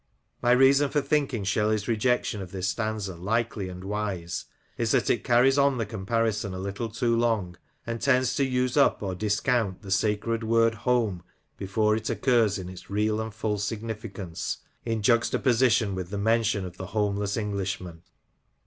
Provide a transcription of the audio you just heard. " My reason for thinking Shelley's rejection of this stanza likely and wise is that it carries on the comparison a little too long, and tends to use up or discount the sacred word home before it occurs in its real and full signifi cance in juxtaposition with the mention of the homeless Englishman.